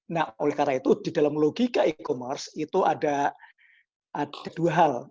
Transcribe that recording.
nah oleh karena itu di dalam logika e commerce itu ada dua hal